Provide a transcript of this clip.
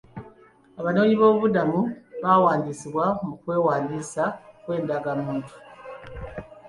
Abanoonyiboobubudamu baawandisiibwa mu kwewandiisa kw'endagamuntu.